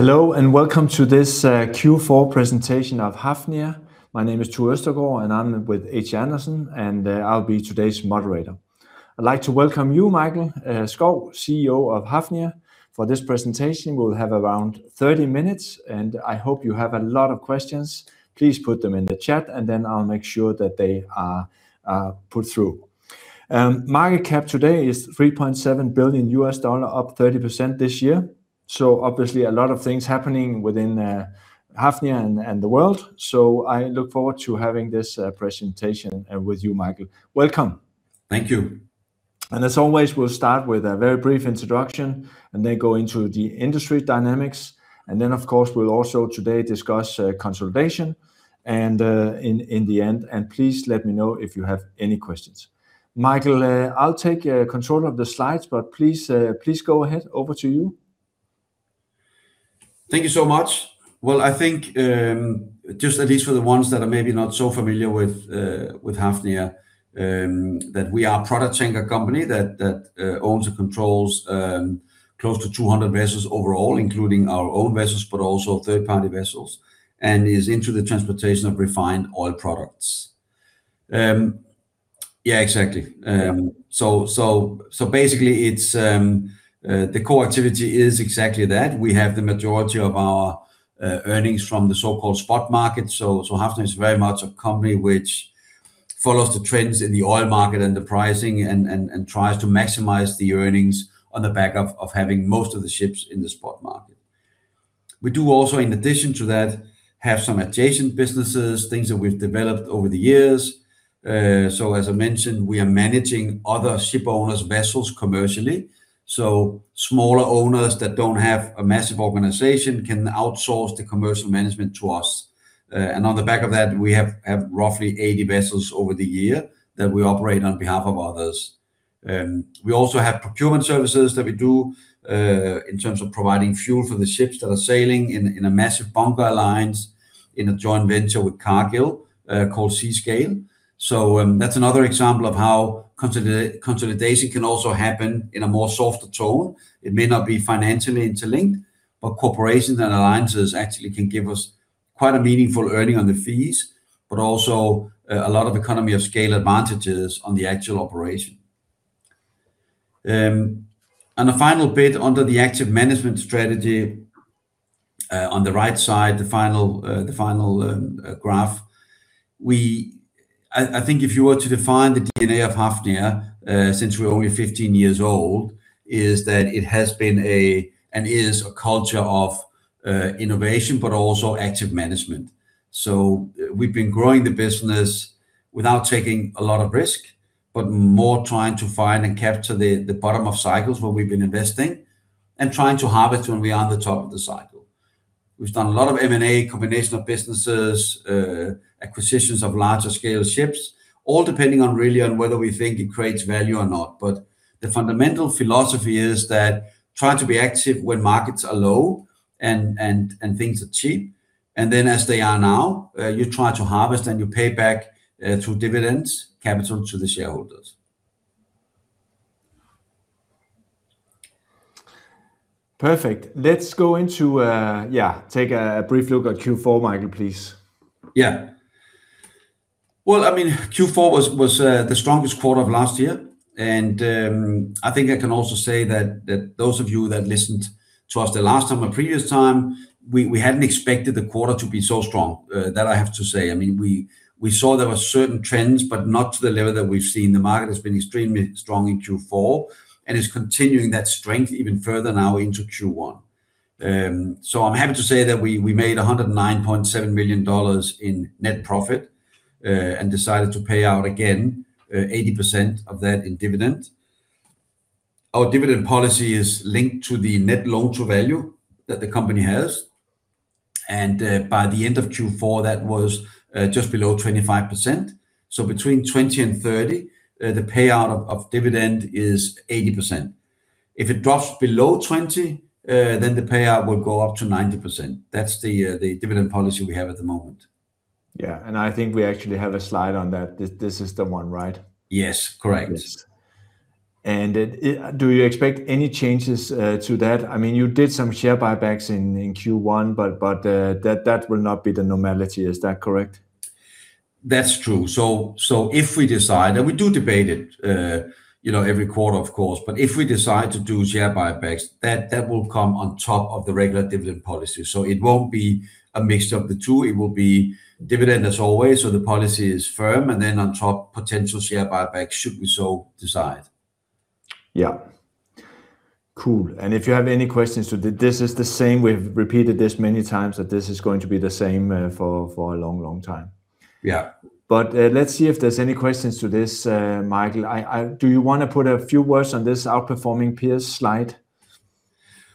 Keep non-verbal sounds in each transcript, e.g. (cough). Hello, welcome to this Q4 presentation of Hafnia. My name is Tue Østergaard, I'm with HC Andersen, I'll be today's moderator. I'd like to welcome you, Mikael Skov, CEO of Hafnia, for this presentation. We'll have around 30 minutes, I hope you have a lot of questions. Please put them in the chat, then I'll make sure that they are put through. Market cap today is $3.7 billion, up 30% this year, obviously a lot of things happening within Hafnia and the world. I look forward to having this presentation with you, Mikael. Welcome. Thank you. As always, we'll start with a very brief introduction, then go into the industry dynamics. Then, of course, we'll also today discuss consolidation and in the end. Please let me know if you have any questions. Mikael, I'll take control of the slides, but please go ahead. Over to you. Thank you so much. I think, just at least for the ones that are maybe not so familiar with Hafnia, that we are a product tanker company that owns and controls close to 200 vessels overall, including our own vessels, but also third-party vessels, and is into the transportation of refined oil products. Exactly. Basically, it's the core activity is exactly that. We have the majority of our earnings from the so-called spot market. Hafnia is very much a company which follows the trends in the oil market and the pricing and tries to maximize the earnings on the back of having most of the ships in the spot market. We do also, in addition to that, have some adjacent businesses, things that we've developed over the years. As I mentioned, we are managing other ship owners' vessels commercially. Smaller owners that don't have a massive organization can outsource the commercial management to us. On the back of that, we have roughly 80 vessels over the year that we operate on behalf of others. We also have procurement services that we do in terms of providing fuel for the ships that are sailing in a massive Bunker Alliance in a joint venture with Cargill called Seascale. That's another example of how consolidation can also happen in a more softer tone. It may not be financially interlinked, but corporations and alliances actually can give us quite a meaningful earning on the fees, but also a lot of economy of scale advantages on the actual operation. The final bit under the active management strategy, on the right side, the final graph, I think if you were to define the DNA of Hafnia, since we're only 15 years old, is that it has been a, and is, a culture of innovation, but also active management. We've been growing the business without taking a lot of risk, but more trying to find and capture the bottom of cycles where we've been investing and trying to harvest when we are on the top of the cycle. We've done a lot of M&A, combination of businesses, acquisitions of larger scale ships, all depending on really on whether we think it creates value or not. The fundamental philosophy is that try to be active when markets are low and things are cheap, and then as they are now, you try to harvest and you pay back through dividends, capital to the shareholders. Perfect. Let's go into, yeah, take a brief look at Q4, Mikael, please. Well, I mean, Q4 was the strongest quarter of last year, I think I can also say that those of you that listened to us the last time or previous time, we hadn't expected the quarter to be so strong. That I have to say. I mean, we saw there were certain trends, but not to the level that we've seen. The market has been extremely strong in Q4 and is continuing that strength even further now into Q1. I'm happy to say that we made $109.7 million in net profit, and decided to pay out again, 80% of that in dividend. Our dividend policy is linked to the net loan-to-value that the company has, and by the end of Q4, that was just below 25%. Between 20% and 30%, the payout of dividend is 80%. If it drops below 20%, then the payout will go up to 90%. That's the dividend policy we have at the moment. Yeah, I think we actually have a slide on that. This is the one, right? Yes, correct. Do you expect any changes to that? I mean, you did some share buybacks in Q1, but that will not be the normality. Is that correct? That's true. If we decide, and we do debate it, you know, every quarter, of course, but if we decide to do share buybacks, that will come on top of the regular dividend policy. It won't be a mixture of the two, it will be dividend, as always, so the policy is firm, and then on top, potential share buyback should we so decide. Yeah. Cool, if you have any questions to the this is the same. We've repeated this many times, that this is going to be the same for a long, long time. Yeah. Let's see if there's any questions to this, Mikael. Do you wanna put a few words on this outperforming peers slide?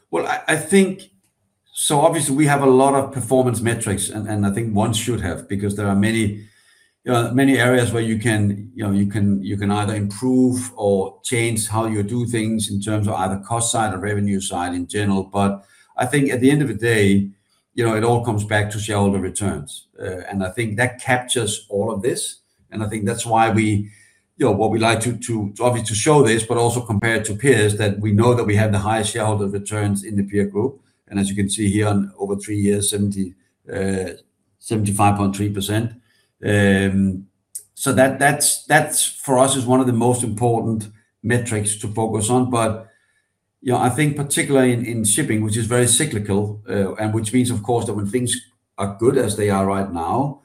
Well, I think obviously, we have a lot of performance metrics, and I think one should have, because there are many areas where you can, you know, you can either improve or change how you do things in terms of either cost side or revenue side in general. I think at the end of the day, you know, it all comes back to shareholder returns. I think that captures all of this, and I think that's why we, you know, what we like to, obviously, to show this, but also compare it to peers, that we know that we have the highest shareholder returns in the peer group. As you can see here on over three years, 75.3%. That's for us is one of the most important metrics to focus on. You know, I think particularly in shipping, which is very cyclical, and which means of course that when things are good as they are right now,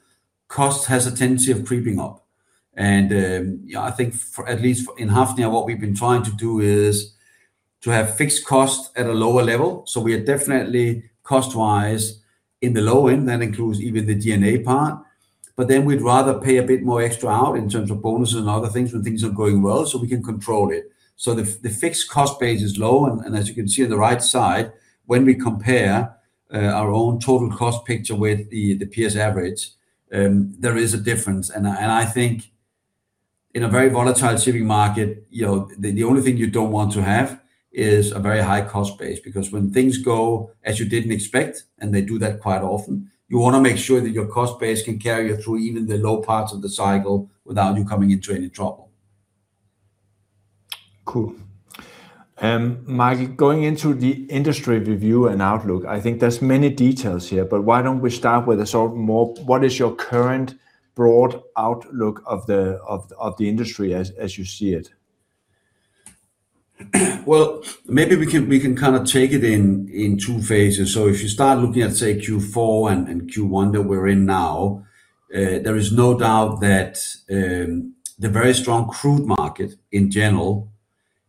cost has a tendency of creeping up. Yeah, I think for at least in Hafnia, what we've been trying to do is to have fixed costs at a lower level. We are definitely cost-wise in the low end, that includes even the D&A part. Then we'd rather pay a bit more extra out in terms of bonuses and other things when things are going well, so we can control it. The fixed cost base is low, and as you can see on the right side, when we compare our own total cost picture with the peers' average, there is a difference. I think in a very volatile shipping market, you know, the only thing you don't want to have is a very high cost base. When things go as you didn't expect, and they do that quite often, you wanna make sure that your cost base can carry you through even the low parts of the cycle without you coming into any trouble. Cool. Mike, going into the industry review and outlook, I think there's many details here. Why don't we start with a sort of more, what is your current broad outlook of the industry as you see it? Maybe we can kind of take it in two phases. If you start looking at, say, Q4 and Q1 that we're in now, there is no doubt that the very strong crude market in general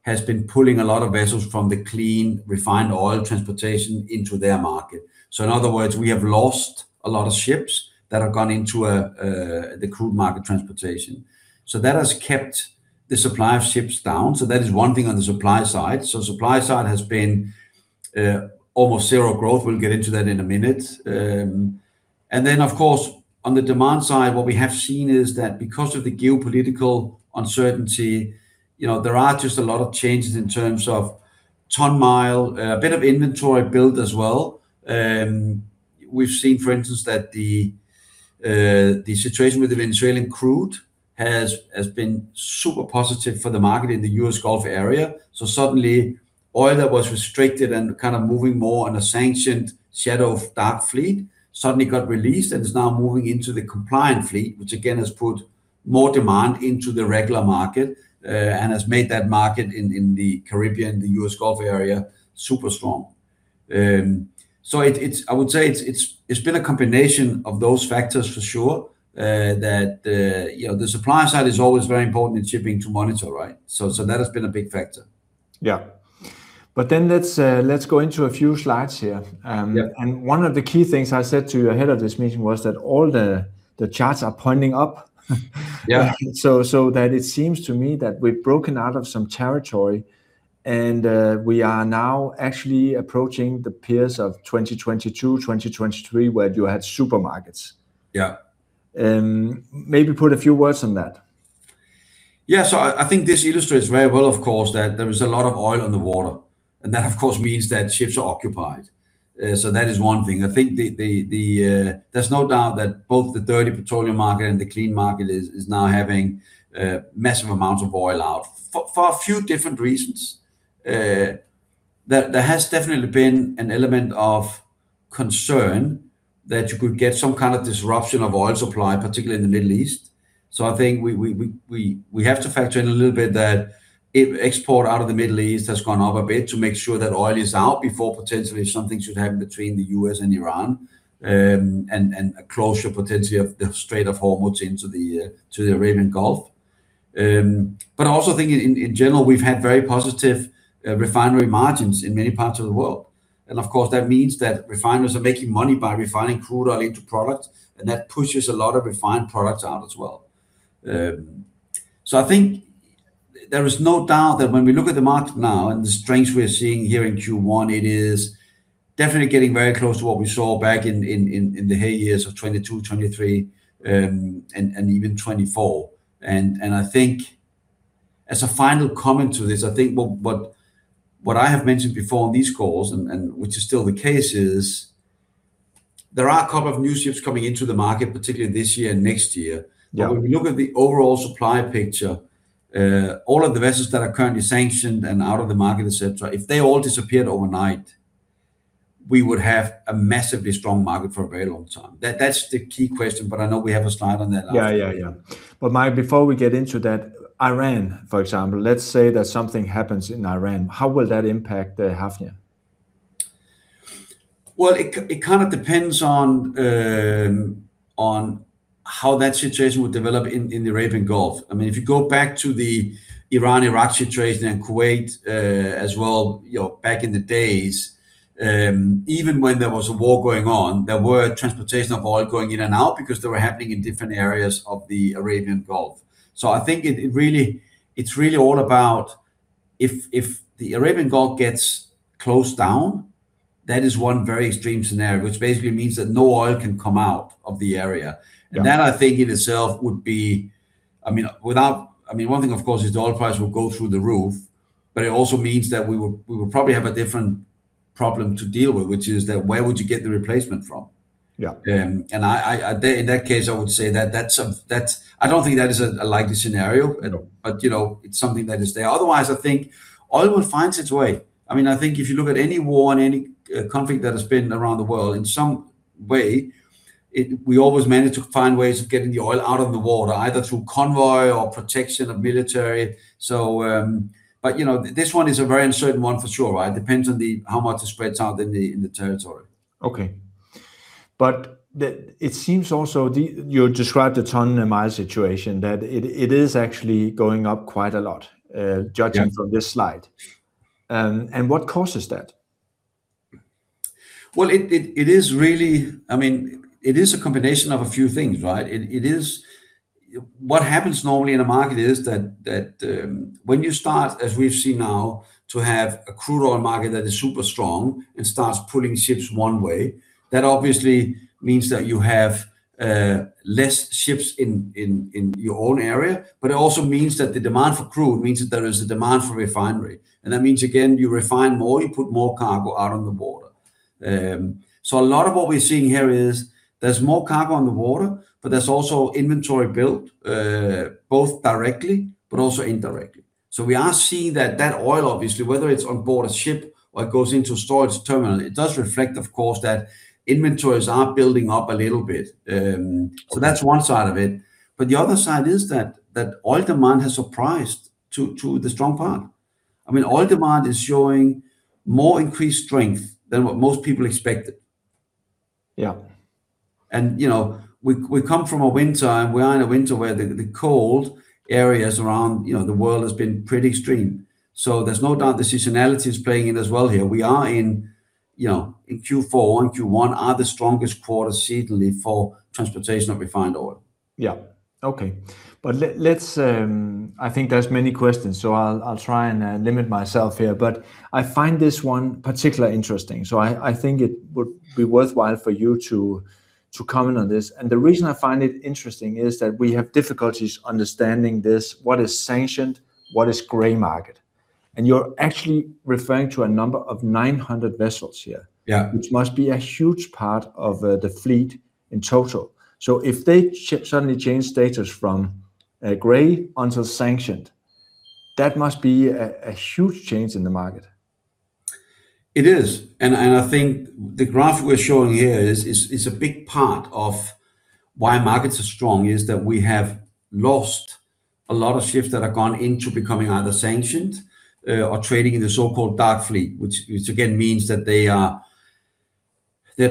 has been pulling a lot of vessels from the clean, refined oil transportation into their market. In other words, we have lost a lot of ships that have gone into a the crude market transportation. That has kept the supply of ships down, so that is one thing on the supply side. Supply side has been almost zero growth. We'll get into that in a minute. Then of course, on the demand side, what we have seen is that because of the geopolitical uncertainty, you know, there are just a lot of changes in terms of ton-mile, a bit of inventory build as well. We've seen, for instance, that the situation with the Venezuelan crude has been super positive for the market in the U.S. Gulf area. Suddenly, oil that was restricted and kind of moving more on a sanctioned shadow of dark fleet suddenly got released and is now moving into the compliant fleet, which again, has put more demand into the regular market, and has made that market in the Caribbean, the U.S. Gulf area, super strong. I would say it's been a combination of those factors for sure, that, you know, the supply side is always very important in shipping to monitor, right. That has been a big factor. Yeah. Let's go into a few slides here. Yeah. One of the key things I said to you ahead of this meeting was that all the charts are pointing up. Yeah. It seems to me that we've broken out of some territory, and, we are now actually approaching the peers of 2022, 2023, where you had super-profits. Yeah. Maybe put a few words on that. Yeah, I think this illustrates very well, of course, that there is a lot of oil on the water, and that of course, means that ships are occupied. That is one thing. I think the, there's no doubt that both the dirty petroleum market and the clean market is now having massive amounts of oil out for a few different reasons. There has definitely been an element of concern that you could get some kind of disruption of oil supply, particularly in the Middle East. I think we have to factor in a little bit that if export out of the Middle East has gone up a bit, to make sure that oil is out before potentially something should happen between the U.S. and Iran, and a closure potentially of the Strait of Hormuz into the Arabian Gulf. I also think in general, we've had very positive refinery margins in many parts of the world. Of course, that means that refiners are making money by refining crude oil into products, and that pushes a lot of refined products out as well. I think there is no doubt that when we look at the market now and the strength we're seeing here in Q1, it is definitely getting very close to what we saw back in the hey years of 2022, 2023, and even 2024. I think as a final comment to this, I think what I have mentioned before on these calls and which is still the case, is there are a couple of new ships coming into the market, particularly this year and next year. Yeah. When we look at the overall supply picture, all of the vessels that are currently sanctioned and out of the market, etc., if they all disappeared overnight, we would have a massively strong market for a very long time. That's the key question. I know we have a slide on that as well. Yeah, yeah. Mike, before we get into that, Iran, for example, let's say that something happens in Iran, how will that impact Hafnia? Well, it kind of depends on how that situation would develop in the Arabian Gulf. I mean, if you go back to the Iran-Iraq situation and Kuwait as well, you know, back in the days, even when there was a war going on, there were transportation of oil going in and out because they were happening in different areas of the Arabian Gulf. I think it's really all about if the Arabian Gulf gets closed down, that is one very extreme scenario, which basically means that no oil can come out of the area. Yeah. That, I think, in itself, would be. I mean, I mean, one thing, of course, is the oil price will go through the roof. It also means that we would probably have a different problem to deal with, which is that where would you get the replacement from? Yeah. In that case, I would say that that's a, I don't think that is a likely scenario at all. You know, it's something that is there. Otherwise, I think oil will finds its way. I mean, I think if you look at any war and any conflict that has been around the world, in some way, we always manage to find ways of getting the oil out of the water, either through convoy or protection of military. You know, this one is a very uncertain one for sure, right? Depends on how much it spreads out in the territory. Okay. You described the ton-mile situation, that it is actually going up quite a lot. Yeah Judging from this slide. What causes that? Well, it is really, I mean, it is a combination of a few things, right? It is what happens normally in a market is that when you start, as we've seen now, to have a crude oil market that is super strong and starts pulling ships one way, that obviously means that you have less ships in your own area. It also means that the demand for crude means that there is a demand for refinery. That means, again, you refine more, you put more cargo out on the water. A lot of what we're seeing here is there's more cargo on the water, but there's also inventory built both directly but also indirectly. We are seeing that that oil, obviously, whether it's on board a ship or it goes into storage terminal, it does reflect, of course, that inventories are building up a little bit. That's one side of it. The other side is that oil demand has surprised to the strong part. I mean, oil demand is showing more increased strength than what most people expected. Yeah. You know, we've come from a winter, and we are in a winter where the cold areas around, you know, the world has been pretty extreme. There's no doubt the seasonality is playing in as well here. We are in, you know, in Q4 and Q1, are the strongest quarters seasonally for transportation of refined oil. Yeah. Okay. Let's. I think there's many questions, so I'll try and limit myself here, but I find this one particularly interesting. I think it would be worthwhile for you to comment on this. The reason I find it interesting is that we have difficulties understanding this. What is sanctioned? What is gray market? You're actually referring to a number of 900 vessels here. Yeah Which must be a huge part of the fleet in total. If they suddenly change status from gray onto sanctioned, that must be a huge change in the market. It is, and I think the graph we're showing here is a big part of why markets are strong, is that we have lost a lot of ships that have gone into becoming either sanctioned, or trading in the so-called dark fleet. Which again, means that they're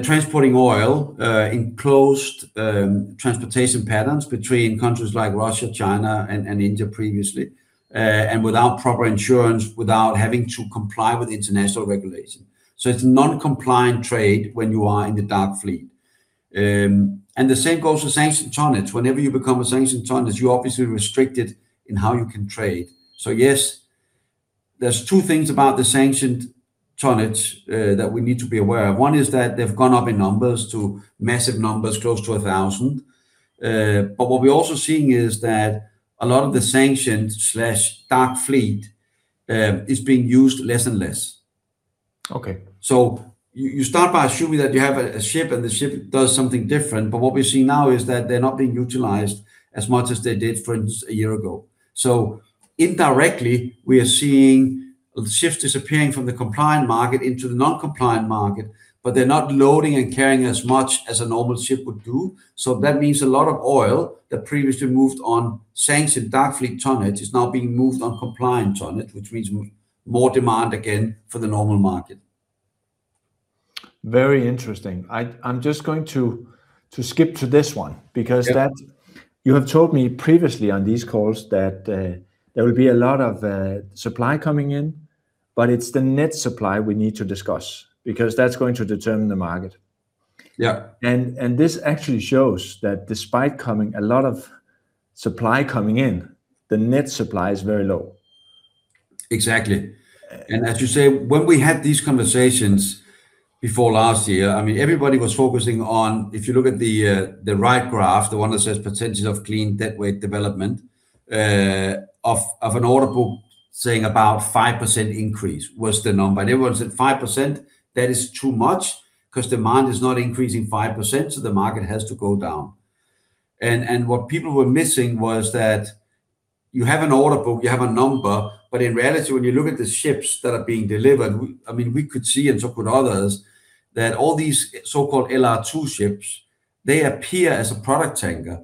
transporting oil, in closed, transportation patterns between countries like Russia, China, and India previously, and without proper insurance, without having to comply with international regulation. It's non-compliant trade when you are in the dark fleet. The same goes for sanctioned tonnage. Whenever you become a sanctioned tonnage, you're obviously restricted in how you can trade. Yes, there's two things about the sanctioned tonnage, that we need to be aware of. One is that they've gone up in numbers to massive numbers, close to 1,000. What we're also seeing is that a lot of the sanctioned/dark fleet is being used less and less. Okay. You start by assuming that you have a ship, and the ship does something different. What we're seeing now is that they're not being utilized as much as they did, for instance, a year ago. Indirectly, we are seeing ships disappearing from the compliant market into the non-compliant market, but they're not loading and carrying as much as a normal ship would do. That means a lot of oil that previously moved on sanctioned dark fleet tonnage is now being moved on compliant tonnage, which means more demand again for the normal market. Very interesting. I'm just going to skip to this one, because. (crosstalk) Yeah. That. You have told me previously on these calls that, there will be a lot of supply coming in, but it's the net supply we need to discuss, because that's going to determine the market. Yeah. This actually shows that despite coming, a lot of supply coming in, the net supply is very low. Exactly. As you say, when we had these conversations before last year, I mean, everybody was focusing on, if you look at the right graph, the one that says percentage of clean deadweight development of an order book saying about 5% increase was the number. Everyone said, "5%, that is too much, 'cause demand is not increasing 5%, so the market has to go down." What people were missing was that you have an order book, you have a number, but in reality, when you look at the ships that are being delivered. I mean, we could see and so could others, that all these so-called LR2 ships, they appear as a product tanker,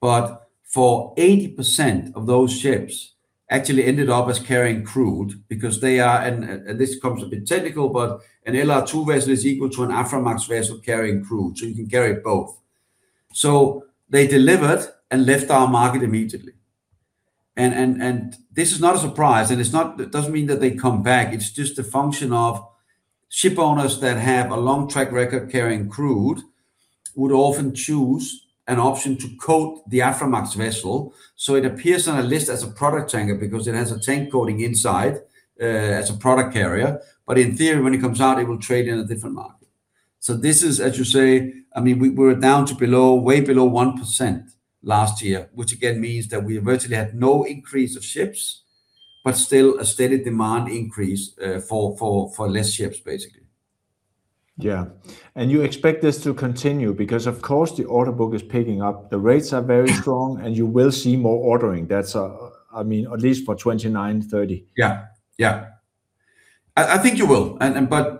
but for 80% of those ships actually ended up as carrying crude because they are, and this comes a bit technical, but an LR2 vessel is equal to an Aframax vessel carrying crude, so you can carry both. They delivered and left our market immediately. This is not a surprise, and it doesn't mean that they come back. It's just a function of ship owners that have a long track record carrying crude, would often choose an option to coat the Aframax vessel, so it appears on a list as a product tanker because it has a tank coating inside, as a product carrier. In theory, when it comes out, it will trade in a different market. So this is, as you say, I mean, we're down to below, way below 1% last year, which again means that we virtually had no increase of ships, but still a steady demand increase, for less ships, basically. Yeah. You expect this to continue because, of course, the order book is picking up, the rates are very strong and you will see more ordering. That's, I mean, at least for 2029, 2030. Yeah. Yeah. I think you will.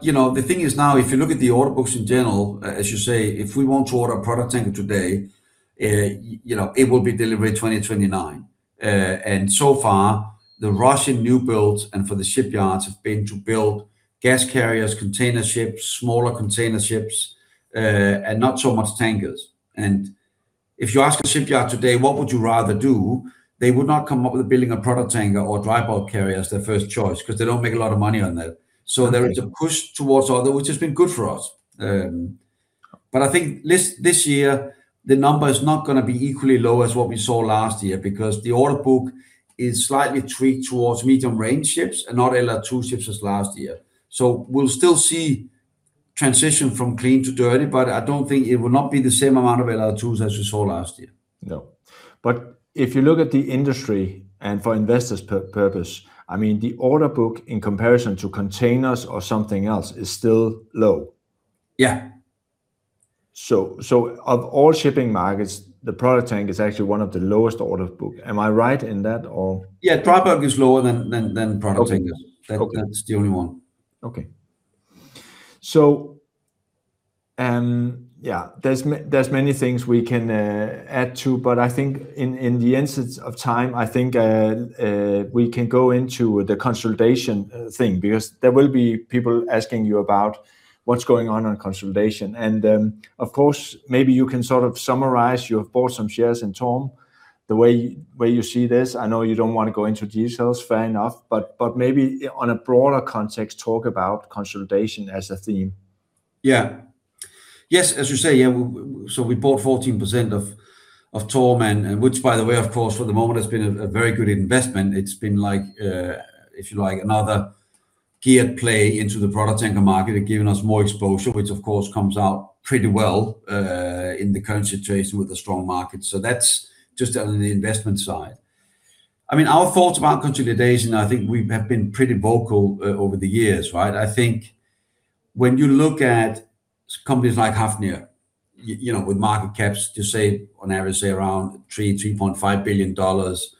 You know, the thing is now, if you look at the order books in general, as you say, if we want to order a product tanker today, you know, it will be delivered in 2029. So far, the rush in new builds and for the shipyards have been to build gas carriers, container ships, smaller container ships, not so much tankers. If you ask a shipyard today, "What would you rather do?" They would not come up with building a product tanker or dry bulk carrier as their first choice, 'cause they don't make a lot of money on that. Right. There is a push towards other, which has been good for us. I think this year, the number is not gonna be equally low as what we saw last year, because the order book is slightly tweaked towards medium-range ships and not LR2 ships as last year. We'll still see transition from clean to dirty, but I don't think it will not be the same amount of LR2s as we saw last year. No. If you look at the industry, and for investors' purpose, I mean, the order book in comparison to containers or something else is still low. Yeah. Of all shipping markets, the product tank is actually one of the lowest order book. Am I right in that, or? Yeah, dry bulk is lower than product tankers. Okay. Okay. That's the only one. Okay. Yeah, there's many things we can add to, but I think in the instance of time, I think we can go into the consolidation thing. There will be people asking you about what's going on on consolidation. Of course, maybe you can sort of summarize, you have bought some shares in TORM, the way you see this. I know you don't want to go into details, fair enough, but maybe on a broader context, talk about consolidation as a theme. Yeah. Yes, as you say, yeah, so we bought 14% of TORM, and which, by the way, of course, for the moment, has been a very good investment. It's been like, if you like, another geared play into the product tanker market and given us more exposure, which, of course, comes out pretty well, in the current situation with the strong market. That's just on the investment side. I mean, our thoughts about consolidation, I think we have been pretty vocal, over the years, right? I think when you look at companies like Hafnia, you know, with market caps to say, on average, say, around $3 billion-$3.5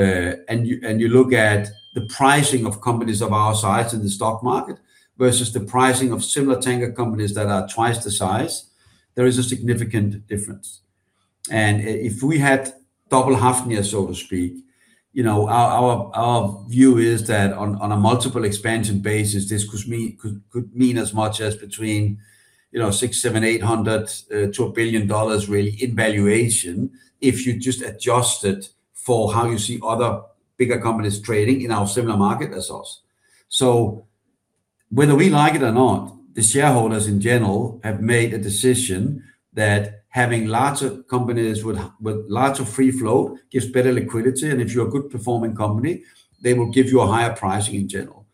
billion, and you, and you look at the pricing of companies of our size in the stock market versus the pricing of similar tanker companies that are twice the size, there is a significant difference. If we had double Hafnia, so to speak, you know, our view is that on a multiple expansion basis, this could mean as much as between, you know, $600 million, $700 million, $800 million, to $1 billion, really, in valuation, if you just adjust it for how you see other bigger companies trading in our similar market as us. Whether we like it or not, the shareholders in general have made a decision that having larger companies with larger free flow gives better liquidity, and if you're a good-performing company, they will give you a higher pricing in general.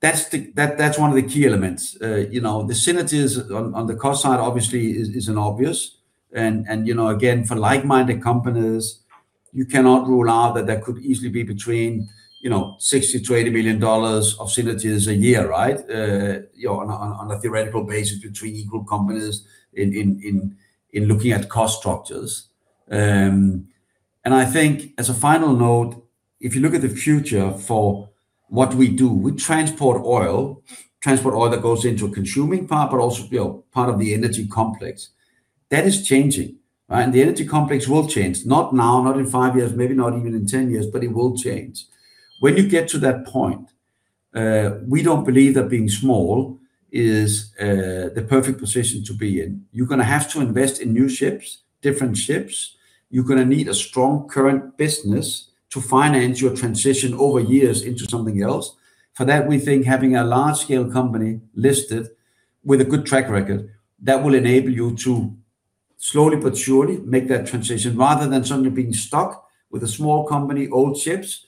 That's one of the key elements. You know, the synergies on the cost side, obviously, is an obvious. You know, again, for like-minded companies, you cannot rule out that there could easily be between, you know, $60 billion-$80 billion of synergies a year, right? You know, on a theoretical basis, between equal companies in looking at cost structures. I think as a final note, if you look at the future for what we do, we transport oil, transport oil that goes into a consuming part, but also, you know, part of the energy complex. That is changing, right? The energy complex will change. Not now, not in five years, maybe not even in 10 years, but it will change. When you get to that point, we don't believe that being small is the perfect position to be in. You're gonna have to invest in new ships, different ships. You're gonna need a strong current business to finance your transition over years into something else. For that, we think having a large-scale company listed with a good track record, that will enable you to slowly but surely make that transition, rather than suddenly being stuck with a small company, old ships,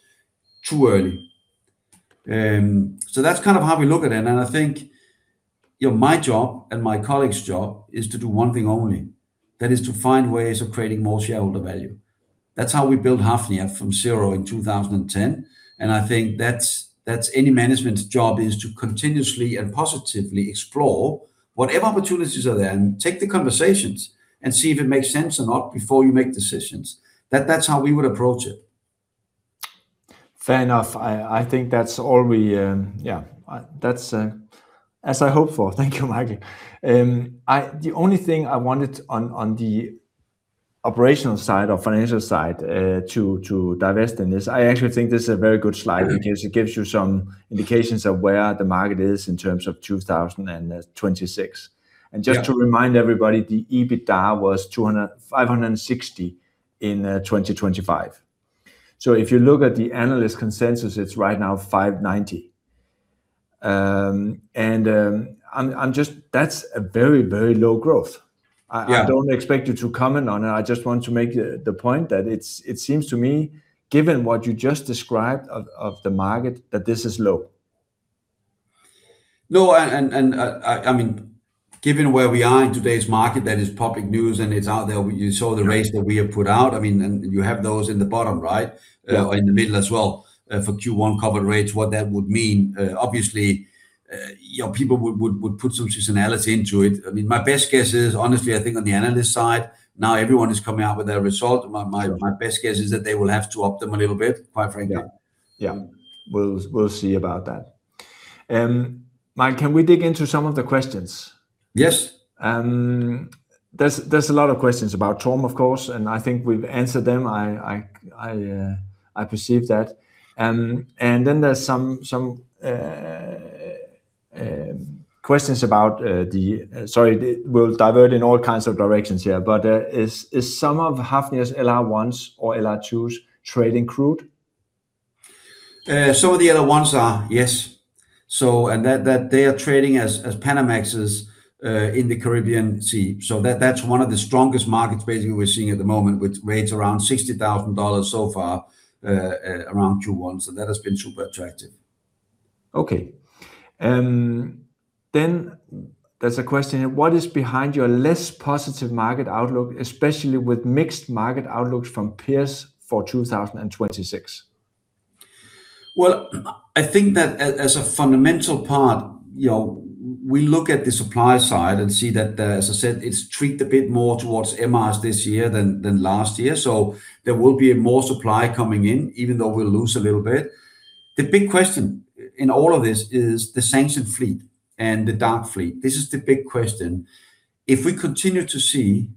too early. That's kind of how we look at it, and I think, you know, my job and my colleagues' job is to do one thing only, that is to find ways of creating more shareholder value. That's how we built Hafnia from zero in 2010, and I think that's any management's job is to continuously and positively explore whatever opportunities are there and take the conversations and see if it makes sense or not before you make decisions. That's how we would approach it. Fair enough. I think that's all we. Yeah, I, that's as I hoped for. Thank you, Mike. The only thing I wanted on the operational side or financial side to divest in this, I actually think this is a very good slide because it gives you some indications of where the market is in terms of 2026. Yeah. Just to remind everybody, the EBITDA was $200 – $560 in 2025. If you look at the analyst consensus, it's right now $590. I'm just, that's a very, very low growth. I don't expect you to comment on it. I just want to make the point that it seems to me, given what you just described of the market, that this is low. No, and, I mean, given where we are in today's market, that is public news, and it's out there, you saw the rates that we have put out. I mean, and you have those in the bottom, right? Yeah. In the middle as well, for Q1 cover rates, what that would mean, obviously, you know, people would put some seasonality into it. I mean, my best guess is, honestly, I think on the analyst side, now everyone is coming out with their result. My best guess is that they will have to up them a little bit, quite frankly. Yeah. We'll see about that. Mike, can we dig into some of the questions? Yes. There's a lot of questions about TORM, of course, and I think we've answered them. I perceive that. Then there's some questions about the. Sorry, we're diverting in all kinds of directions here, but is some of Hafnia's LR1s or LR2s trading crude? Some of the LR1s are, yes. That they are trading as Panamaxes in the Caribbean Sea. That's one of the strongest markets basically we're seeing at the moment, with rates around $60,000 so far around Q1, that has been super attractive. Okay. There's a question here: What is behind your less positive market outlook, especially with mixed market outlooks from peers for 2026? I think that as a fundamental part, you know, we look at the supply side and see that as I said, it's tweaked a bit more towards MRs this year than last year, so there will be more supply coming in, even though we'll lose a little bit. The big question in all of this is the sanctioned fleet and the dark fleet. This is the big question. If we continue to see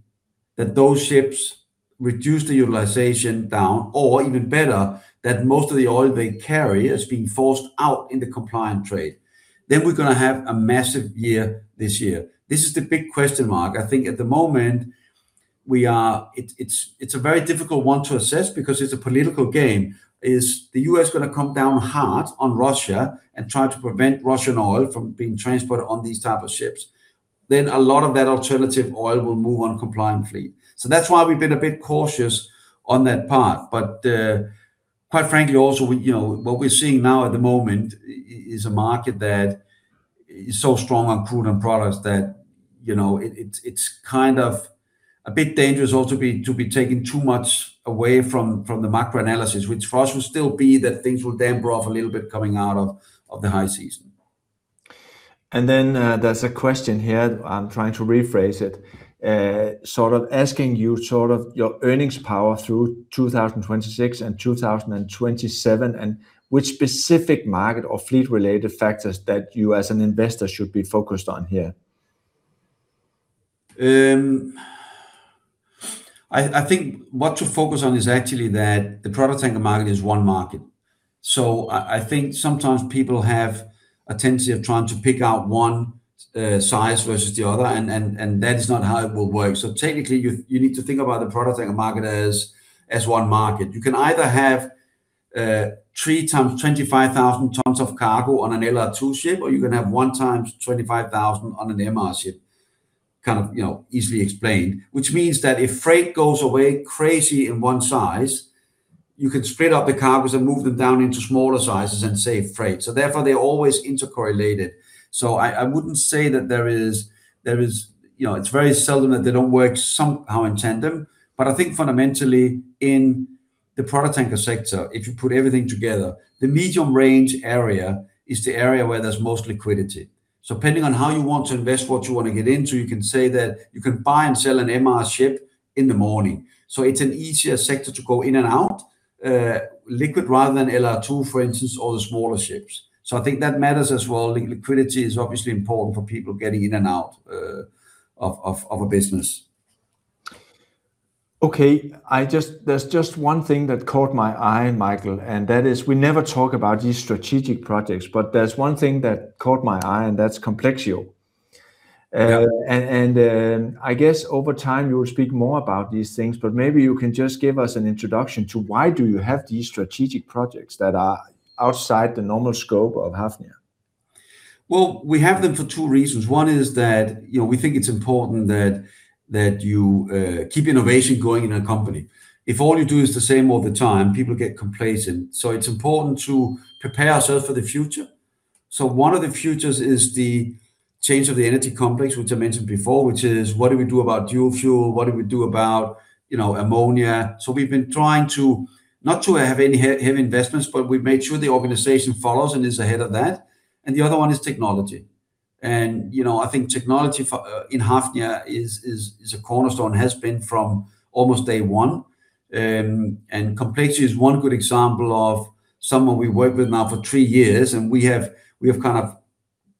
that those ships reduce the utilization down, or even better, that most of the oil they carry is being forced out in the compliant trade, we're gonna have a massive year this year. This is the big question mark. At the moment, it's a very difficult one to assess because it's a political game. Is the U.S. gonna come down hard on Russia and try to prevent Russian oil from being transported on these type of ships? A lot of that alternative oil will move on compliant fleet. That's why we've been a bit cautious on that part, but, quite frankly, also, we, you know, what we're seeing now at the moment is a market that is so strong on crude and products that, you know, it's kind of a bit dangerous also to be taking too much away from the macro analysis, which for us would still be that things will then drop off a little bit coming out of the high season. There's a question here, I'm trying to rephrase it. Sort of asking you, sort of your earnings power through 2026 and 2027, and which specific market or fleet-related factors that you as an investor should be focused on here? I think what to focus on is actually that the product tanker market is 1 market. I think sometimes people have a tendency of trying to pick out 1 size versus the other, and that is not how it will work. Technically, you need to think about the product tanker market as 1 market. You can either have 3x25,000 tons of cargo on an LR2 ship, or you can have 1x25,000 on an MR ship, kind of, you know, easily explained. Which means that if freight goes away crazy in one size, you can split up the cargos and move them down into smaller sizes and save freight. Therefore, they're always intercorrelated. I wouldn't say that there is. You know, it's very seldom that they don't work somehow in tandem. I think fundamentally in the product tanker sector, if you put everything together, the medium range area is the area where there's most liquidity. Depending on how you want to invest, what you want to get into, you can say that you can buy and sell an MR ship in the morning. It's an easier sector to go in and out, liquid rather than LR2, for instance, or the smaller ships. I think that matters as well. Liquidity is obviously important for people getting in and out of a business. Okay, I just, there's just one thing that caught my eye, Mikael, and that is we never talk about these strategic projects. There's one thing that caught my eye, and that's Complexio. Yeah. I guess over time you will speak more about these things, but maybe you can just give us an introduction to why do you have these strategic projects that are outside the normal scope of Hafnia? Well, we have them for two reasons. One is that, you know, we think it's important that you keep innovation going in a company. If all you do is the same all the time, people get complacent, so it's important to prepare ourselves for the future. One of the futures is the change of the energy complex, which I mentioned before, which is what do we do about dual fuel? What do we do about, you know, ammonia? We've been trying to, not to have any heavy investments, but we've made sure the organization follows and is ahead of that. The other one is technology. You know, I think technology for in Hafnia is a cornerstone, has been from almost day one. Complexio is one good example of someone we've worked with now for three years, and we have kind of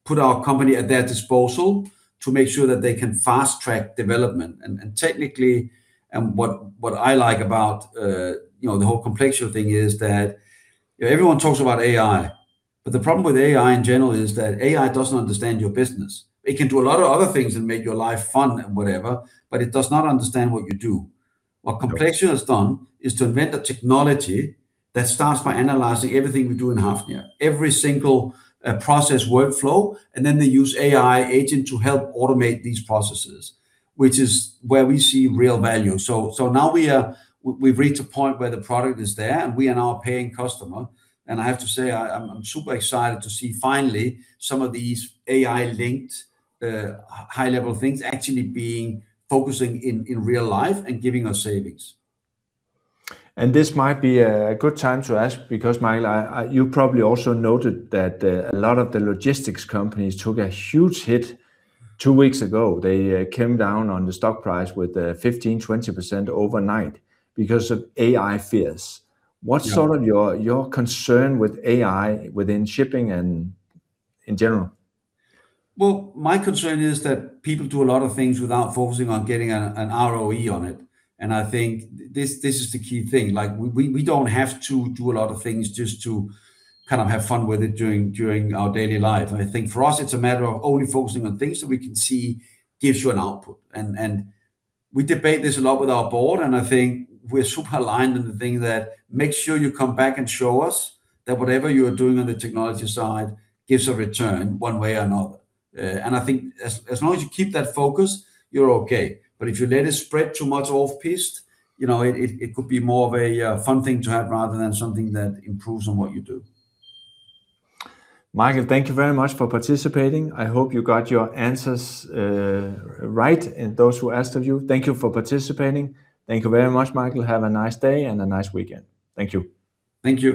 put our company at their disposal to make sure that they can fast-track development. Technically, what I like about, you know, the whole Complexio thing is that, you know, everyone talks about AI, but the problem with AI in general is that AI doesn't understand your business. It can do a lot of other things and make your life fun and whatever, but it does not understand what you do. What Complexio has done is to invent a technology that starts by analyzing everything we do in Hafnia, every single process workflow, and then they use AI agent to help automate these processes, which is where we see real value. Now we are, we've reached a point where the product is there, and we are now a paying customer, and I have to say I'm super excited to see finally some of these AI-linked, high-level things actually being focusing in real life and giving us savings. This might be a good time to ask, because, Mikael, I – you probably also noted that a lot of the logistics companies took a huge hit two weeks ago. They came down on the stock price with 15%-20% overnight because of AI fears. Yeah. What's sort of your concern with AI within shipping and in general? My concern is that people do a lot of things without focusing on getting an ROE on it, and I think this is the key thing. Like, we don't have to do a lot of things just to kind of have fun with it during our daily life. I think for us it's a matter of only focusing on things that we can see gives you an output. We debate this a lot with our board, and I think we're super aligned on the thing that, make sure you come back and show us that whatever you are doing on the technology side gives a return, one way or another. I think as long as you keep that focus, you're okay, but if you let it spread too much off-piste, you know, it could be more of a fun thing to have rather than something that improves on what you do. Mikael, thank you very much for participating. I hope you got your answers right, and those who asked of you, thank you for participating. Thank you very much, Mikael. Have a nice day and a nice weekend. Thank you. Thank you.